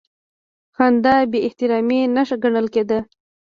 خندا د بېاحترامۍ نښه ګڼل کېده.